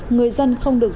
người dân không được gọi